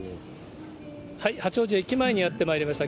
八王子駅前にやってまいりました。